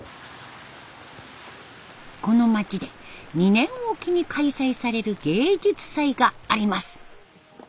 この町で２年置きに開催される芸術祭があります。